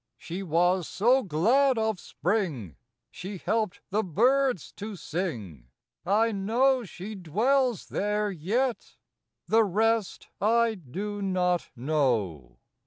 She was so glad of spring, She helped the birds to sing, I know she dwells there yet —the rest I do not know 76 FROM QUEENS ' GARDENS.